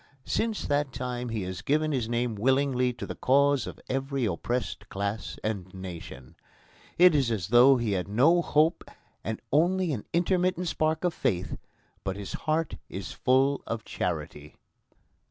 Since that time he has given his name willingly to the cause of every oppressed class and nation. It is as though he had no hope and only an intermittent spark of faith; but his heart is full of charity.